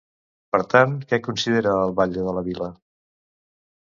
Per tant, què considera el batle de la vila?